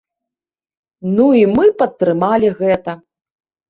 Ну і мы падтрымалі гэта.